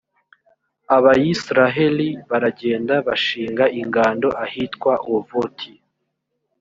abayisraheli baragenda bashinga ingando ahitwa ovoti.